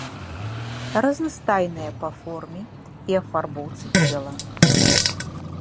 Разнастайныя па форме і афарбоўцы цела.